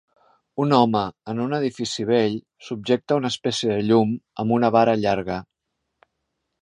Un home en un edifici vell subjecta una espècie de llum amb una vara llarga.